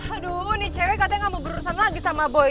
aduh nih cewek katanya gak mau berurusan lagi sama boy